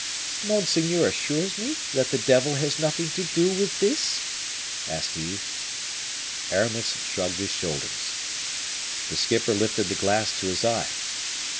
"Monseigneur assures me that the devil has nothing to do with this?" asked Yves. Aramis shrugged his shoulders. The skipper lifted the glass to his eye.